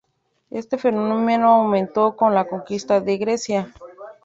Este fenómeno aumentó con la conquista de Grecia.